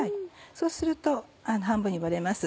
そうすると半分に割れます。